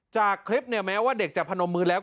จากคลิปเนี่ยแม้ว่าเด็กจะพนมมือแล้ว